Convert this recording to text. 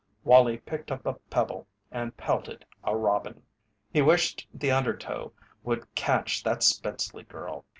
Wallie picked up a pebble and pelted a robin. He wished the undertow would catch that Spenceley girl.